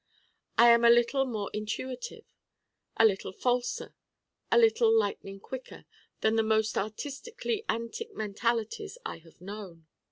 I am a little more intuitive, a little falser, a little lightning quicker than the most artistically antic mentalities I have known.